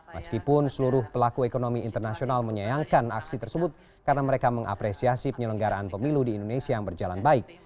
meskipun seluruh pelaku ekonomi internasional menyayangkan aksi tersebut karena mereka mengapresiasi penyelenggaraan pemilu di indonesia yang berjalan baik